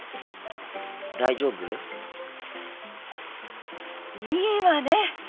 大丈夫？いいわね！